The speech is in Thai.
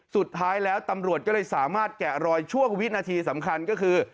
สุดท้ายแล้วตำรวจก็เลยสามารถแกะรอยช่วงวินาทีสำคัญก็คือ